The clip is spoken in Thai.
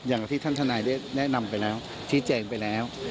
อย่างที่ท่านทนายได้แนะนำไปแล้วชี้แจงไปแล้ว